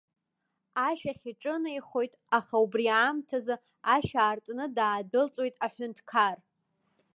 Ашә ахь иҿынеихоит, аха убри аамҭазы ашә аартны даадәылҵуеит аҳәынҭқар.